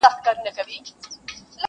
تا به د پی مخو صدقې ته زړه راوړی وي!.